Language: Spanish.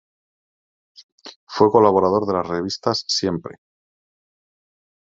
Fue colaborador de las revistas "Siempre!